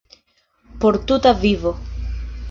Por tuta vivo.